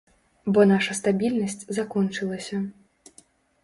Бо наша стабільнасць закончылася.